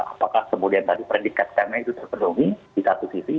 apakah kemudian tadi predikat karena itu terpenuhi di satu sisi